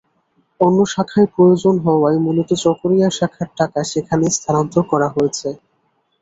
অন্য শাখায় প্রয়োজন হওয়ায় মূলত চকরিয়া শাখার টাকা সেখানে স্থানান্তর করা হয়েছে।